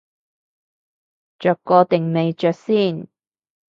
着過定未着先